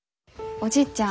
おじいちゃん。